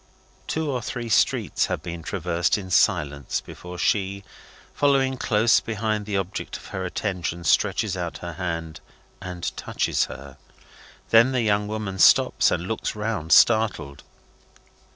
Two or three streets have been traversed in silence before she, following close behind the object of her attention, stretches out her hand and touches her. Then the young woman stops and looks round, startled.